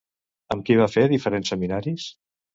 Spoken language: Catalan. Amb qui va fer diferents seminaris?